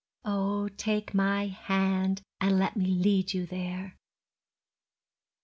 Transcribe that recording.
Oh, take my hand and let me lead you there.